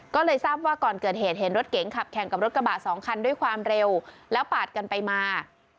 ก็เลยทราบว่าก่อนเกิดเหตุเห็นรถเก๋งขับแข่งกับรถกระบะสองคันด้วยความเร็วแล้วปาดกันไปมา